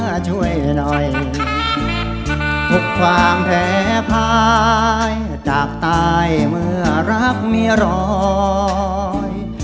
ช่วยหน่อยทุกความแพ้ภายจากตายเมื่อรักมีรอย